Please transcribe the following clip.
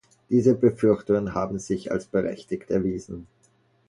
Diese Befürchtungen haben sich als berechtigt erwiesen.